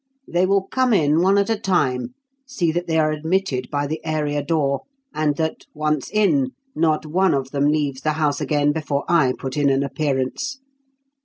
They will come in one at a time. See that they are admitted by the area door, and that, once in, not one of them leaves the house again before I put in an appearance.